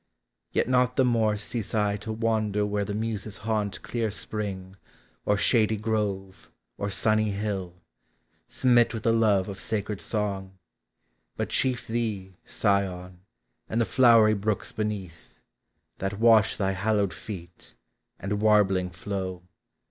Yet not the more Cease I to wander where the Muses haunt Clear spring, or shady grove, or sunny hill, Sinit with the love of sacred song; but chief Thee, Si on, and the flowery brooks beneath. That wash thy hallowed feet, and warbling How.